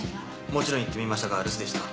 もちろん行ってみましたが留守でした。